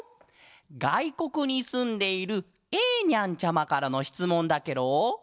がいこくにすんでいるえーにゃんちゃまからのしつもんだケロ。